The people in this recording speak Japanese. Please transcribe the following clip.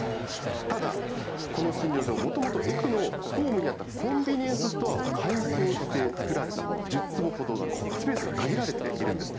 ただ、この診療所、もともと駅のホームにあったコンビニエンスストアを改装して作られたもの、１０坪ほどなので、スペースが限られているんです。